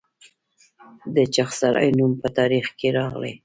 د چغسرای نوم په تاریخ کې راغلی